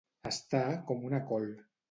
Estar com una col.